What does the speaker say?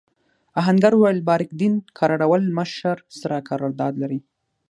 آهنګر وویل بارک دین قراوول مشر سره قرارداد لري.